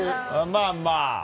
まあまあ。